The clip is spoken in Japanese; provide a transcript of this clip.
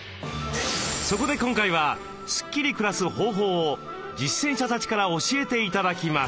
そこで今回はスッキリ暮らす方法を実践者たちから教えて頂きます。